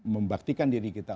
membaktikan diri kita